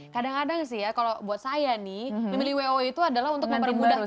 kadang kadang sih ya kalau buat saya nih memilih w o i itu adalah untuk mempermudah kita